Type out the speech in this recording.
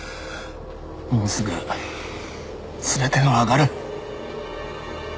もうすぐ全てが分かる